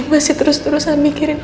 masih terus terusan mikirin